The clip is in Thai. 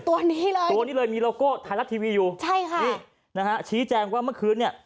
ตัวนี้เลยตัวนี้เลยมีโลโก้ไทยรัฐทีวีอยู่ใช่ค่ะนี่นะฮะชี้แจงว่าเมื่อคืนเนี่ย